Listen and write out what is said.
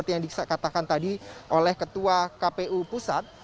yang dikatakan tadi oleh ketua kpu pusat